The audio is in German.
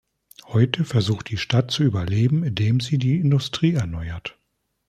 Heute versucht die Stadt zu überleben, indem sie die Industrie erneuert.